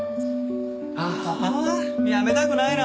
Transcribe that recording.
ああやめたくないなあ。